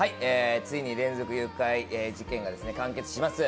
ついに連続誘拐事件が完結します。